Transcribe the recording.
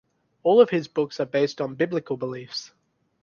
All of his books are based on biblical beliefs.